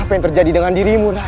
apa yang terjadi dengan dirimu